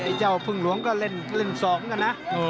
ไอ้เจ้าพึงหลวงก็เล่น๒กันนะ